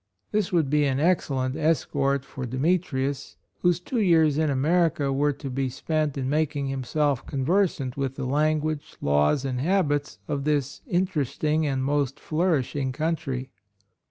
This would be an excellent escort for Demetrius, whose two years in America were to be spent in making himself conversant with the language, laws and habits of this interesting and most flourishing country.